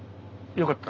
よかった。